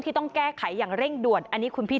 ทีนี้จากรายทื่อของคณะรัฐมนตรี